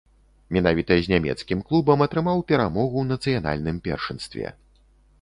Менавіта з нямецкім клубам атрымаў перамогу ў нацыянальным першынстве.